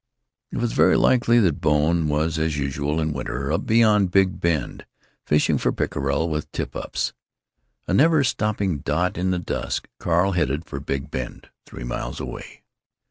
It was very likely that Bone was, as usual in winter, up beyond Big Bend, fishing for pickerel with tip ups. A never stopping dot in the dusk, Carl headed for Big Bend, three miles away.